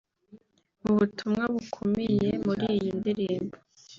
Mu butumwa bukubiye muri iyi ndirimbo